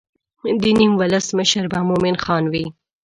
د نیم ولس مشر به مومن خان وي.